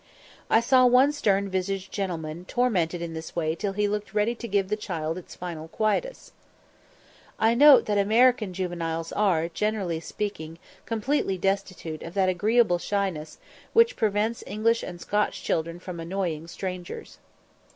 I saw one stern visaged gentleman tormented in this way till he looked ready to give the child its "final quietus." [Footnote: American juveniles are, generally speaking, completely destitute of that agreeable shyness which prevents English and Scotch children from annoying strangers.